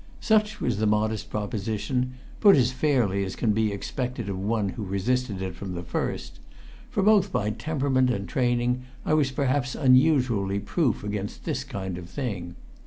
Such was the modest proposition, put as fairly as can be expected of one who resisted it from the first; for both by temperament and training I was perhaps unusually proof against this kind of thing.